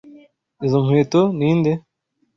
Izo nkweto ninde?